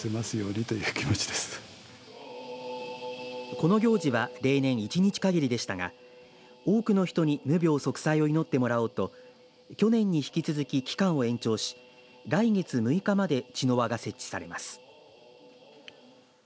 この行事は例年１日限りでしたが多くの人に無病息災を祈ってもらおうと去年に引き続き期間を延長し来月６日まで茅の輪が設置されます。